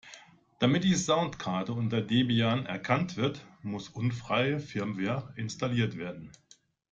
Damit die Soundkarte unter Debian erkannt wird, muss unfreie Firmware installiert werden.